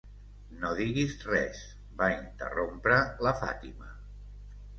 "No diguis res", va interrompre la Fatima.